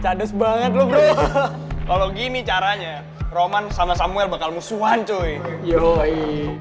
cades banget loh bro kalau gini caranya roman sama samuel bakal musuhan coy yoi